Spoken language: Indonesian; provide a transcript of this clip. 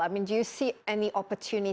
apakah anda melihat kesempatan